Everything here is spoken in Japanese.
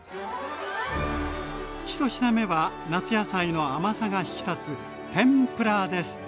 １品目は夏野菜の甘さが引き立つ天ぷらです。